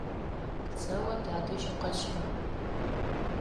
Сэ о тадэжь укъэсщагъ.